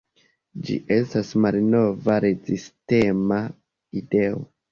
Ĝi estas malnova rezistema ideo?